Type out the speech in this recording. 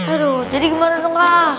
aduh jadi gimana dong kak